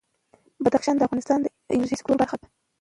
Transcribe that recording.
بدخشان د افغانستان د انرژۍ سکتور برخه ده.